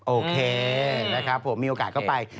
โอเคนะครับผมมีโอกาสก็ไป